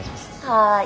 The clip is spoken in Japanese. はい。